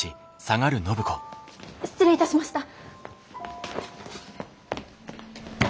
失礼いたしました。